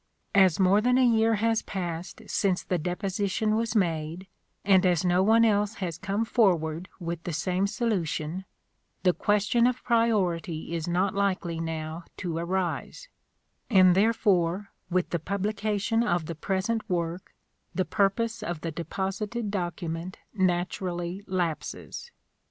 As more than a year has passed since the deposition was made, and as no one else has come forward with the same solution, the question of priority is not likely now to arise, and therefore, with the publi cation of the present work, the purpose of the deposited document naturally lapses.